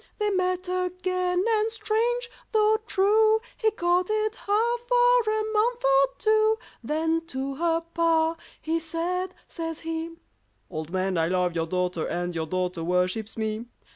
They met again, and strange, though true, He courted her for a month or two, Then to her pa he said, says he, "Old man, I love your daughter and your daughter worships me!"